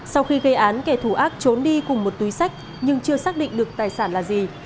sau khi gây án kẻ thù ác trốn đi cùng một túi sách nhưng chưa xác định được tài sản là gì